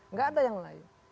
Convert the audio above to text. nggak ada yang lain